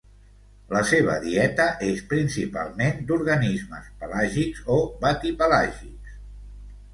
La seva dieta és principalment d'organismes pelàgics o batipelàgics.